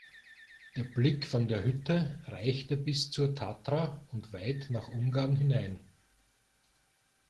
Der Blick von der Hütte reichte bis zur Tatra und weit nach Ungarn hinein.